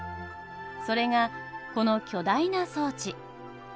それがこの巨大な装置。